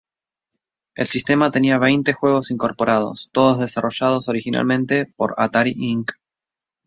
El sistema tenía veinte juegos incorporados, todos desarrollados originalmente por Atari Inc.